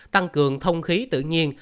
tăng cường thông khí tự nhiên